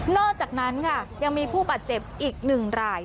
นอกจากนั้นครับยังมีผู้บาดเจ็บอีกหนึ่งราย